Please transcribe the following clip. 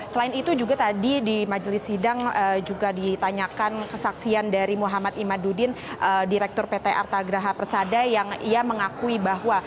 selain itu juga tadi di majelis sidang juga ditanyakan kesaksian dari muhammad imadudin direktur pt artagraha persada yang ia mengakui bahwa